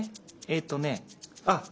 えっとねあっ